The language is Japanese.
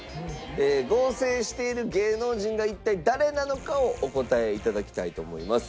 合成している芸能人が一体誰なのかをお答え頂きたいと思います。